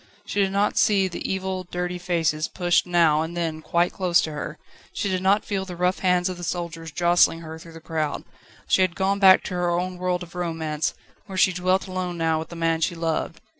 She did not see the evil, dirty faces pushed now and then quite close to her; she did not feel the rough hands of the soldiers jostling her through the crowd: she had gone back to her own world of romance, where she dwelt alone now with the man she loved.